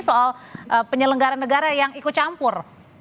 soal penyelenggara negara yang ikut campur